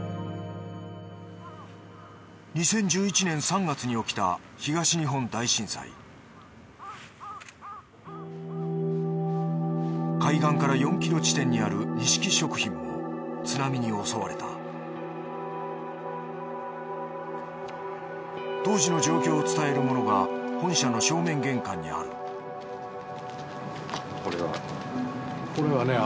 ２０１１年３月に起きた東日本大震災海岸から４キロ地点にあるにしき食品も津波に襲われた当時の状況を伝えるものが本社の正面玄関にあるこれは？